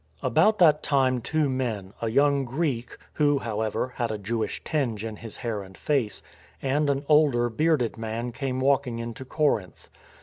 About that time two men — a young Greek (who, however, had a Jewish tinge in his hair and face) and an older bearded man came walking into Corinth.